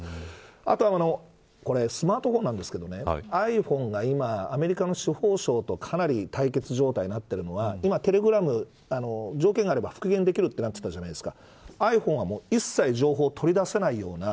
あとはスマートフォンなんですけどｉＰｈｏｎｅが今アメリカの司法省とかなり対決状態になっているのは今、テレグラムは条件があれば復元できるとなってたじゃないですか。